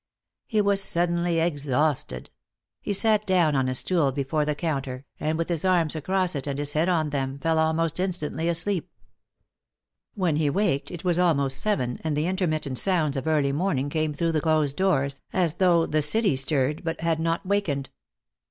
He was suddenly exhausted; he sat down on a stool before the counter, and with his arms across it and his head on them, fell almost instantly asleep. When he waked it was almost seven and the intermittent sounds of early morning came through the closed doors, as though the city stirred but had not wakened.